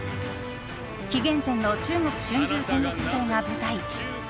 紀元前の中国春秋戦国時代が舞台。